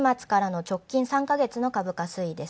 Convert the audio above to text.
五月末からの直近３か月の株価推移です。